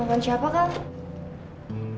tungguan siapa kau